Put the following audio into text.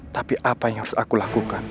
tapi apa yang harus aku lakukan